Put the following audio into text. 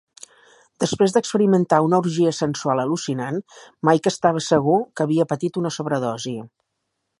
Després d'experimentar una orgia sensual al·lucinant, Mike estava segur que havia patit una sobredosi.